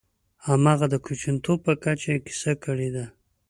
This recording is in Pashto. همغه د کوچنیتوب په کچه یې کیسه کړې ده.